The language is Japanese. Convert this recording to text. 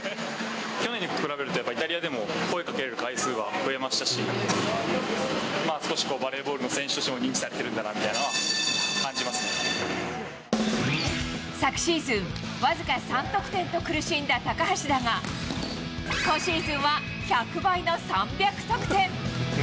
去年に比べると、やっぱりイタリアでも声かけられる回数は増えましたし、少しバレーボールの選手としても認知されてるんだなみたいなのは昨シーズン、僅か３得点と苦しんだ高橋だが、今シーズンは１００倍の３００得点。